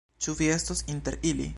Ĉu vi estos inter ili?